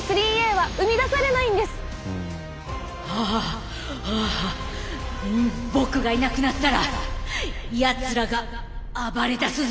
はあはあ僕がいなくなったらやつらが暴れだすぞ！